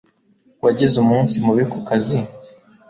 Wagize umunsi mubi ku kazi?